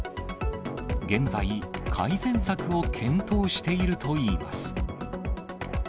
現在、改善策を検討しているといいます。